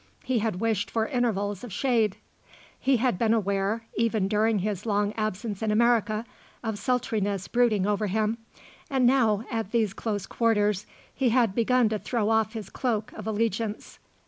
He had wished for intervals of shade. He had been aware, even during his long absence in America, of sultriness brooding over him, and now, at these close quarters, he had begun to throw off his cloak of allegiance.